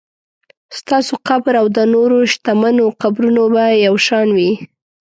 ستاسو قبر او د نورو شتمنو قبرونه به یو شان وي.